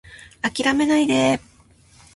諦めないで